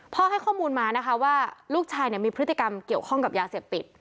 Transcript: ให้ข้อมูลมานะคะว่าลูกชายมีพฤติกรรมเกี่ยวข้องกับยาเสพติด